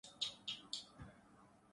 کبھی ریاست مدینہ کی بات کرتے ہیں۔